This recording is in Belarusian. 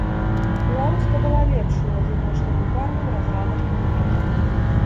Беларуска была лепшай у адзіночным і парным разрадах турніру.